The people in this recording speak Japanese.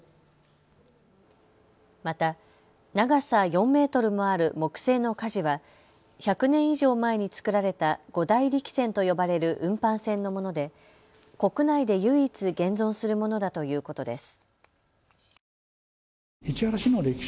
また、長さ４メートルもある木製のかじは１００年以上前に作られた五大力船と呼ばれる運搬船のもので国内で唯一、現存するものだということです。